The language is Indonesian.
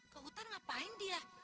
ke hutan ngapain dia